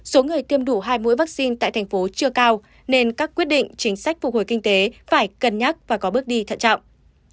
số người tiêm đủ hai mũi vaccine tại thành phố chưa cao nên các quyết định chính sách phục hồi kinh tế phải cân nhắc và có bước đi thận trọng